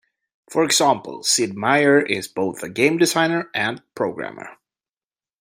For example, Sid Meier is both a game designer and programmer.